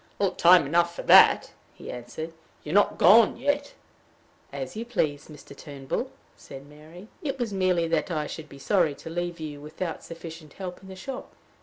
"Time enough for that," he answered. "You're not gone yet." "As you please, Mr. Turnbull," said Mary. "It was merely that I should be sorry to leave you without sufficient help in the shop."